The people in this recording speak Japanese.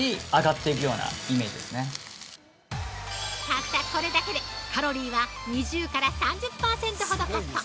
◆たったこれだけで、カロリーは２０から３０％ほどカット！